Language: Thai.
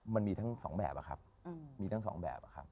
มันมีทั้งสองแบบอะครับมีทั้งสองแบบครับ